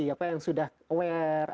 ada yang masih sudah aware